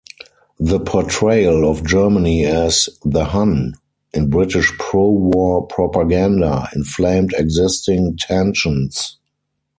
The portrayal of Germany as "The Hun" in British pro-war propaganda inflamed existing tensions.